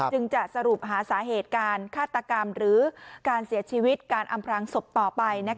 จึงจะสรุปหาสาเหตุการฆาตกรรมหรือการเสียชีวิตการอำพรางศพต่อไป